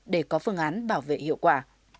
để có phương án bảo vệ hiệu quả